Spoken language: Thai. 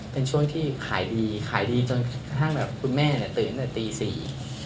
เป็นช่วงที่ขายดีขายดีจนกระทั่งแบบคุณแม่เนี่ยตื่นตั้งแต่ตีสี่